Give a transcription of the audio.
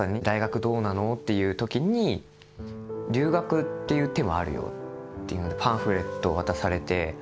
大学どうなの？っていう時に「留学っていう手もあるよ」ってパンフレットを渡されて。